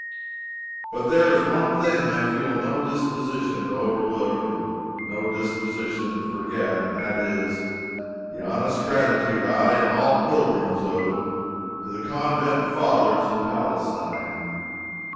But there is one thing I feel no disposition to overlook, and no disposition to forget: and that is, the honest gratitude I and all pilgrims owe, to the Convent Fathers in Palestine.